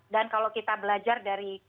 dan kalau kita belajar dari